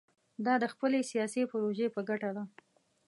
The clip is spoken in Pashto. دا د خپلې سیاسي پروژې په ګټه ده.